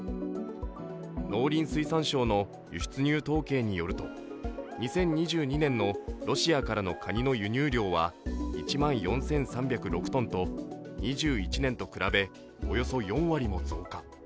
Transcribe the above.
農林水産省の輸出入統計によると、２０２２年のロシアからのカニの輸入量は１万４３０６ｔと２１年と比べおよそ４割も増加。